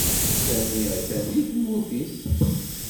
Sami atan deg tmurt is